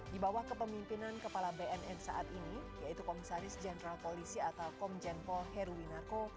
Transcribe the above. di bawah kepemimpinan kepala bnn saat ini yaitu komisaris jenderal polisi atau komjen paul heruwinarko